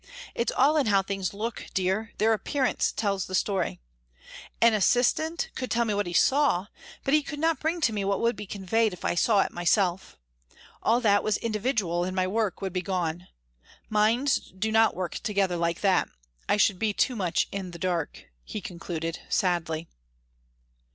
It's all in how things look, dear their appearance tells the story. An assistant could tell me what he saw but he could not bring to me what would be conveyed if I saw it myself. All that was individual in my work would be gone. Minds do not work together like that. I should be too much in the dark," he concluded, sadly.